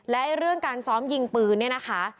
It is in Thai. และเรื่องการซ้อมยิงปืนเนี่ยนะคะ